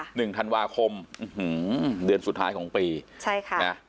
หนึ่งธันวาคมอื้อหือเดือนสุดท้ายของปีใช่ค่ะนะ